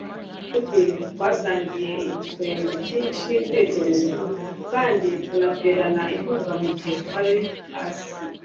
nshuti, twasangiye ibitwenge byinshi nibitekerezo kandi tunaterana inkunga mugihe twari hasi